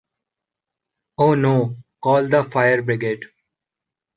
Oh no! Call the fire brigade!